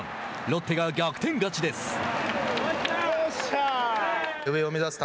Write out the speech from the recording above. ロッテが逆転勝ちです。